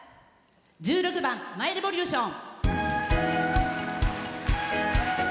１６番「ＭｙＲｅｖｏｌｕｔｉｏｎ」。